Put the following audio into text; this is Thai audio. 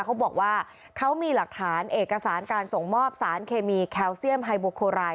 เขาบอกว่าเขามีหลักฐานเอกสารการส่งมอบสารเคมีแคลเซียมไฮโบโคราย